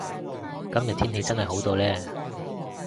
今日天氣真係好到呢